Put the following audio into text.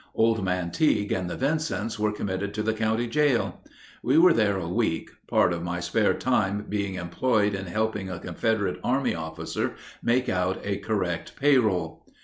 Old Man Tigue and the Vincents were committed to the county jail. We were there a week, part of my spare time being employed in helping a Confederate company officer make out a correct pay roll.